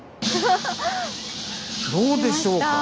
どうでしょうか。